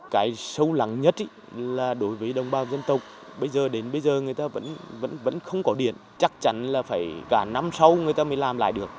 cái sâu lắng nhất là đối với đồng bào dân tộc bây giờ đến bây giờ người ta vẫn không có điện chắc chắn là phải cả năm sau người ta mới làm lại được